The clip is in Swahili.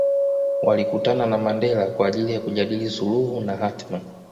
Walikutana na Mandela kwa ajili kujadili suluhu na hatma